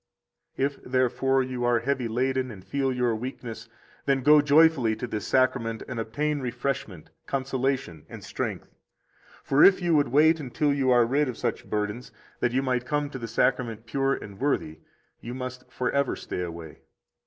72 If, therefore, you are heavy laden and feel your weakness, then go joyfully to this Sacrament and obtain refreshment, consolation, and strength. 73 For if you would wait until you are rid of such burdens, that you might come to the Sacrament pure and worthy, you must forever stay away.